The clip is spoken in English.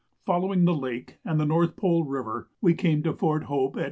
Following the lake and North Pole River, we came to Fort Hope at 8h.